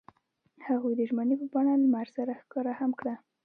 هغوی د ژمنې په بڼه لمر سره ښکاره هم کړه.